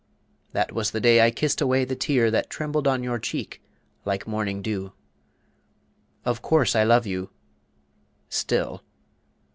That was the day I kissed away the tear That trembled on your cheek like morning dew. Of course I love you still.